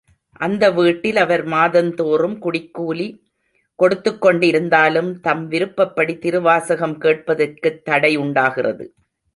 அந்த வீட்டில் அவர் மாதந்தோறும் குடிக்கூலி கொடுத்துக் கொண்டு இருந்தாலும், தம் விருப்பப்படி திருவாசகம் கேட்பதற்கு தடை உண்டாகிறது.